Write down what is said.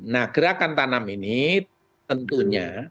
nah gerakan tanam ini tentunya